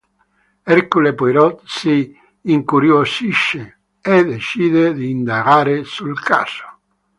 Hercule Poirot si incuriosisce e decide di indagare sul caso.